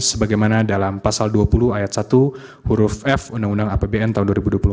sebagaimana dalam pasal dua puluh ayat satu huruf f undang undang apbn tahun dua ribu dua puluh empat